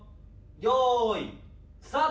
用意スタート。